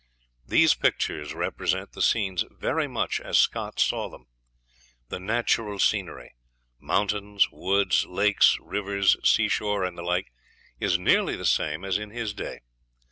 These pictures represent the scenes very much as Scott saw them. The natural scenery mountains, woods, lakes, rivers, seashore, and the like is nearly the same as in his day.